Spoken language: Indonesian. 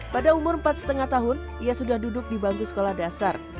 pada umur empat lima tahun ia sudah duduk di bangku sekolah dasar